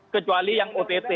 kecuali yang ott